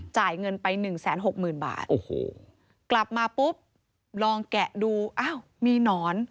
จ่ายเงินไป๑๖๐๐๐๐บาทกลับมาปุ๊บลองแกะดูอ้าวมีหนอน